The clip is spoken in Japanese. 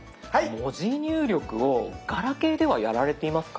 文字入力をガラケーではやられていますか？